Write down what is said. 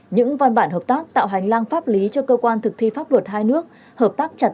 những văn bản hợp tác tạo hành lang pháp lý cho cơ quan thực thi pháp luật hai nước hợp tác chặt chẽ